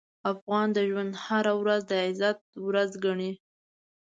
افغان د ژوند هره ورځ د عزت ورځ ګڼي.